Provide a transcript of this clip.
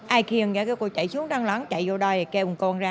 ai khiêng ra kêu cô chạy xuống đăng lắng chạy vô đây kêu con ra